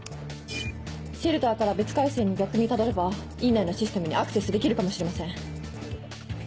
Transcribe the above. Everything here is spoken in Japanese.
シェルターから別回線に逆にたどれば院内のシステムにアクセスできるかもしれません。